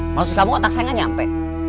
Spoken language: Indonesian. maksud kamu kok tak sayang gak nyampe